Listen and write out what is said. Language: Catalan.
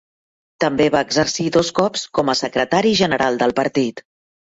També va exercir dos cops com a secretari general del partit.